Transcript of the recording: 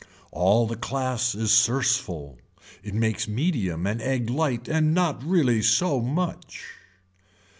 All the class is sursful. It makes medium and egg light and not really so much.